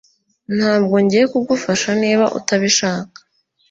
Ntabwo ngiye kugufasha niba utabishaka